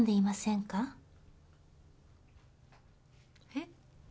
えっ？